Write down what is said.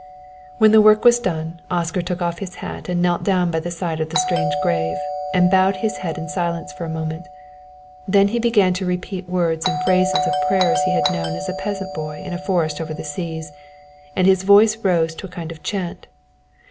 When the work was quite done, Oscar took off his hat and knelt down by the side of the strange grave and bowed his head in silence for a moment. Then he began to repeat words and phrases of prayers he had known as a peasant boy in a forest over seas, and his voice rose to a kind of chant.